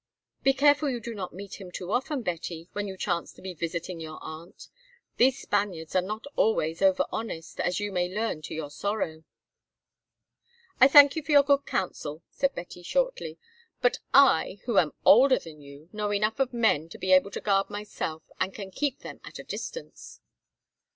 "Be careful you do not meet him too often, Betty, when you chance to be visiting your aunt. These Spaniards are not always over honest, as you may learn to your sorrow." "I thank you for your good counsel," said Betty, shortly, "but I, who am older than you, know enough of men to be able to guard myself, and can keep them at a distance."